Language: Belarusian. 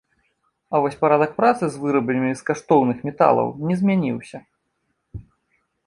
А вось парадак працы з вырабамі з каштоўных металаў не змяніўся.